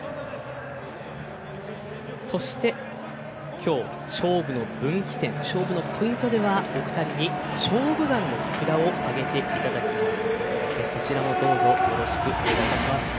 今日、勝負の分岐点勝負のポイントでは、お二人に「勝負眼」の札を挙げていただきます。